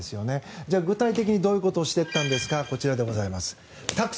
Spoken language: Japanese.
じゃあ具体的にどういうことをしていったんですかこういうことです。